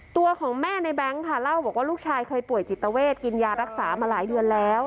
ตัวของแม่ในแบงค์ค่ะเล่าบอกว่าลูกชายเคยป่วยจิตเวทกินยารักษามาหลายเดือนแล้ว